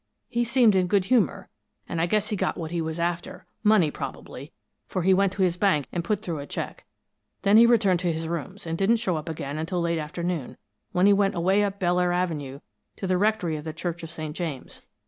He seemed in good humor, and I guess he got what he was after money, probably, for he went to his bank and put through a check. Then he returned to his rooms, and didn't show up again until late afternoon, when he went away up Belleair Avenue, to the rectory of the Church of St. James.